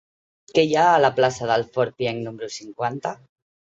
Què hi ha a la plaça del Fort Pienc número cinquanta?